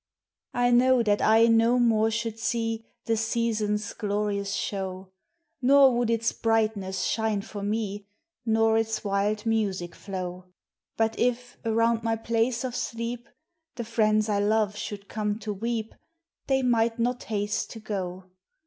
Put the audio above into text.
I know that I no more should see The season's glorious show, Nor would its brightness shine for me, Nor its wild music flow ; But if, around .my place of sleep, The friends I love should come to weep, They might not haste to go.